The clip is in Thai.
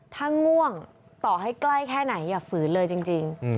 ถ้าง่วงต่อให้ใกล้แค่ไหนอย่าฝืนเลยจริง